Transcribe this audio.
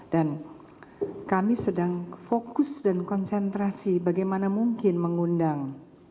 kami sedang fokus dan konsentrasi bagaimana mungkin mengundang